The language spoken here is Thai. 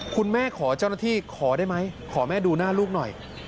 คุณแม่ขอเจ้าหน้าที่ขอได้ไหมขอแม่ดูหน้าลูกหน่อย